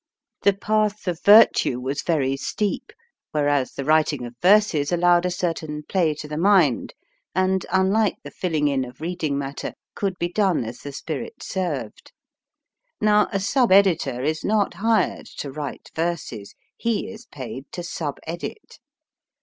The path of virtue was very steep, whereas the writing of verses allowed a certain play to the mind, and, unlike the filling in of reading matter, could be done as the spirit served. Now, a sub editor is not hired to write verses : he is paid to sub edit.